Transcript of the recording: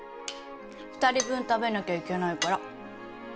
二人分食べなきゃいけないから